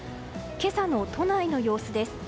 今朝の都内の様子です。